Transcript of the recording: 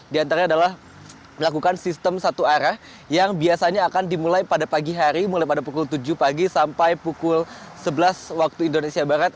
di antara adalah melakukan sistem satu arah yang biasanya akan dimulai pada pagi hari mulai pada pukul tujuh pagi sampai pukul sebelas waktu indonesia barat